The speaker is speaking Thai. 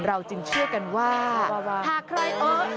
เราจึงเชื่อกันว่าถ้าใครเอิ๊ย